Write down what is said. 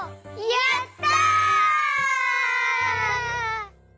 やった！